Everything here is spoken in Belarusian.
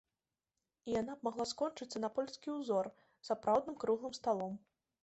І яна б магла скончыцца на польскі ўзор сапраўдным круглым сталом.